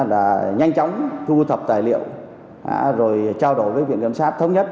là nhanh chóng thu thập tài liệu rồi trao đổi với viện kiểm sát thống nhất